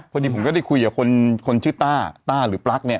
พอดีผมก็ได้คุยกับคนชื่อต้าต้าหรือปลั๊กเนี่ย